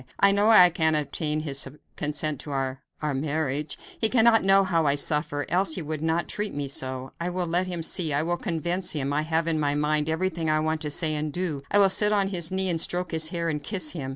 I know I can obtain his consent to our our marriage. He cannot know how I suffer, else he would not treat me so. I will let him see I will convince him. I have in my mind everything I want to say and do. I will sit on his knee and stroke his hair and kiss him."